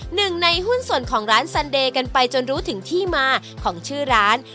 หนึ่งในหุ้นส่วนของร้านซันเดย์กันไปจนรู้ถึงที่มาของชื่อร้าน